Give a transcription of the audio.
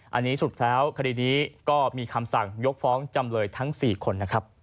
อันนี้สุดแล้วคดีนี้ก็มีคำสั่งยกฟ้องจำเลยทั้ง๔คนนะครับ